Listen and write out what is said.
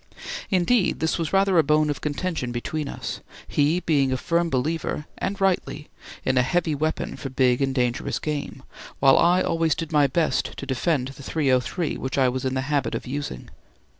Indeed, this was rather a bone of contention between us, he being a firm believer (and rightly) in a heavy, weapon for big and dangerous game, while I always did my best to defend the .303 which I was in the habit of using.